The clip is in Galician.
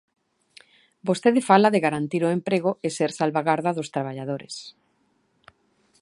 Vostede fala de garantir o emprego e ser salvagarda dos traballadores.